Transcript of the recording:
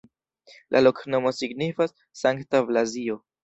La loknomo signifas: Sankta Blazio.